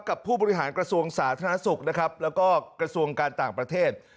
ผู้บริหารกระทรวงสาธารณสุขนะครับแล้วก็กระทรวงการต่างประเทศ